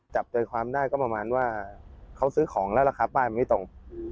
จับใจความได้ก็ประมาณว่าเขาซื้อของแล้วราคาป้ายมันไม่ตรง